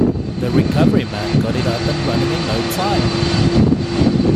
The recovery man got it up and running in no time.